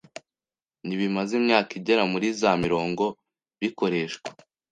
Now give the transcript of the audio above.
n'ibimaze imyaka igera muri za mirongo bikoreshwa".